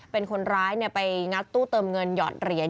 เป็นคนร้ายไปงัดตู้เติมเงินหยอดเหรียญ